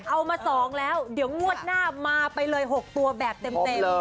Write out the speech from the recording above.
เอามา๒แล้วเดี๋ยวงวดหน้ามาไปเลย๖ตัวแบบเต็ม